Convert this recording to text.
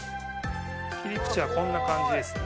切り口はこんな感じですね。